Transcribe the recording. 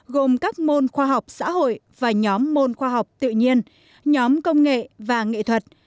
gồm các môn khoa học xã hội và nhóm môn khoa học tự nhiên nhóm công nghệ và nghệ thuật